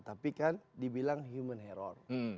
tapi kan dibilang human error